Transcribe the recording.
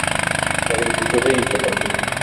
La agricultura y el petróleo.